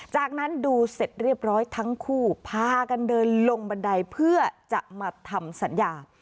จากนั้นดูเสร็จเรียบร้อยทั้งคู่พากันเดินลงบันไดเพื่อจะมาทำสัญญา